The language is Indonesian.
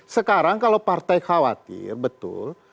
sekarang kalau partai khawatir betul